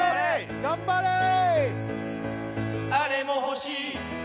頑張れー！